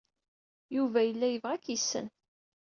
Yuba yella yebɣa ad k-yessen.